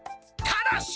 ただし？